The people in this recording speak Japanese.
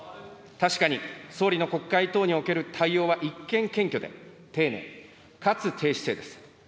確かに総理の国会等における対応は一見、謙虚で丁寧、かつ低姿勢です。